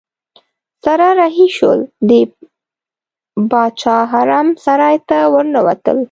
سره رهي شول د باچا حرم سرای ته ورننوتل.